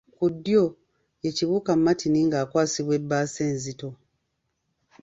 Ku ddyo ye Kibuuka Martin nga akwasibwa ebbaasa enzito.